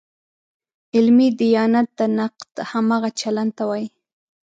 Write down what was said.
علمي دیانت د نقد همغه چلن ته وایي.